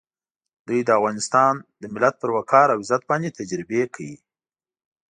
دوی د افغانستان د ملت پر وقار او عزت باندې تجربې کوي.